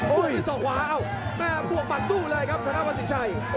โอ้ยส่อคว้าแม่กลัวปัดสู้เลยครับวันสินชัย